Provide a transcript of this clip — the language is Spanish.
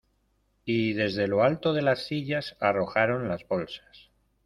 y desde lo alto de las sillas arrojaron las bolsas.